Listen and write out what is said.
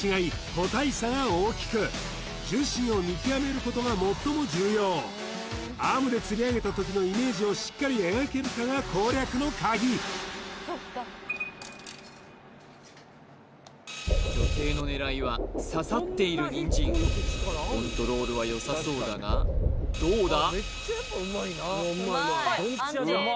個体差が大きく重心を見極めることが最も重要アームでつり上げた時のイメージをしっかり描けるかが攻略のカギ女帝の狙いは刺さっているニンジンコントロールはよさそうだがどうだ？